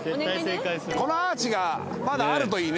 このアーチがまだあるといいね。